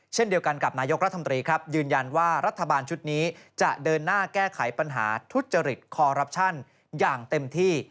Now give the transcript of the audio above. เช่นเดียวกันกับนายกรัฐมนตรีครับยืนยันว่ารัฐบาลชุดนี้จะเดินหน้าแก้ไขปัญหาทุจริตคอรัปชั่นอย่างเต็มที่